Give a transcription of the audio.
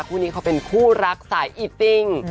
คู่นี้เขาเป็นคู่รักสายอีติ้ง